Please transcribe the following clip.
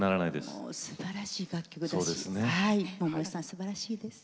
すばらしいです。